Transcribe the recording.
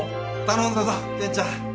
頼んだぞ健ちゃん。